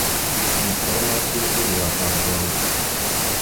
Informācija ir jāpārbauda.